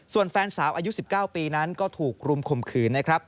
ส่วนแฟนสาวอายุ๑๙ปีนั้นก็ถูกรุมข่มขืนนะครับ